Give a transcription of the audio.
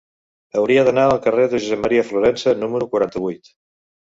Hauria d'anar al carrer de Josep M. Florensa número quaranta-vuit.